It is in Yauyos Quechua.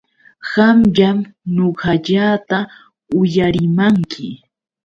Qamllam ñuqallata uyarimanki.